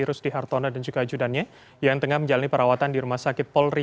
rusdi hartono dan juga ajudannya yang tengah menjalani perawatan di rumah sakit polri